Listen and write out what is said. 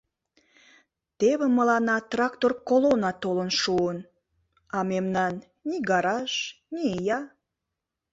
Теве мыланна трактор колонна толын шуын, а мемнан ни гараж, ни ия!